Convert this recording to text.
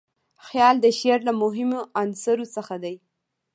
خیال د شعر له مهمو عنصرو څخه دئ.